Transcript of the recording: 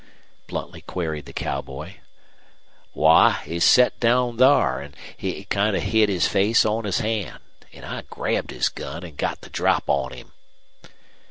bluntly queried the cowboy. "Why he set down thar an' he kind of hid his face on his hand. An' I grabbed his gun an' got the drop on him."